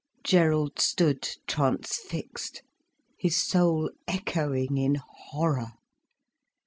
Gerald stood transfixed, his soul echoing in horror.